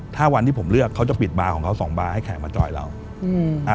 ถ้าวันที่ผมเลือกเขาจะปิดบาร์ของเขาสองบาร์ให้แขกมาจอยเราอืมอ่า